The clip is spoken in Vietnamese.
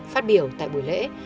phát biểu tại buổi lễ